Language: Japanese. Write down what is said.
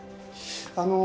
あの。